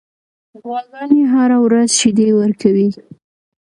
غواګانې هره ورځ شیدې ورکوي.